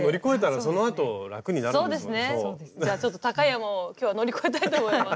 じゃあちょっと高い山を今日は乗り越えたいと思います。